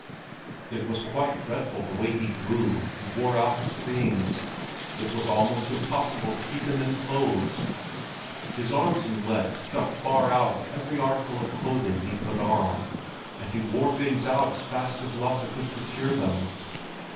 It was quite dreadful the way he grew and wore out his things; it was almost impossible to keep him in clothes! His arms and legs stuck far out of every article of clothing he put on, and he wore things out as fast as Lasse could procure them.